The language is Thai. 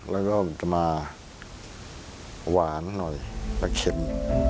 แล้วก็มันจะมาหวานหน่อยปลาเข็ม